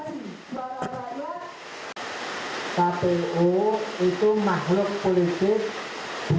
kpu itu makhluk politik